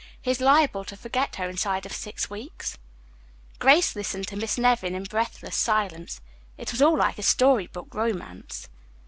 He is liable to forget her inside of six weeks." Grace listened to Miss Nevin in breathless silence. It was all like a story book romance.